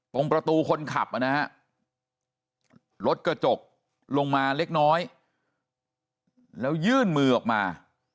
ตรงประตูคนขับนะฮะรถกระจกลงมาเล็กน้อยแล้วยื่นมือออกมา